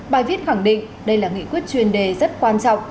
bài viết khẳng định đây là nghị quyết chuyên đề rất quan trọng